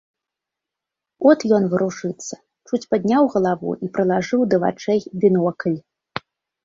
От ён варушыцца, чуць падняў галаву і прылажыў да вачэй бінокль.